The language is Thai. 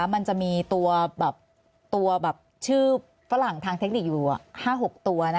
มันจะมีตัวแบบชื่อฝรั่งทางเทคนิคอยู่๕๖ตัว